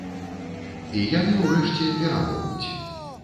І яны ўрэшце перамогуць.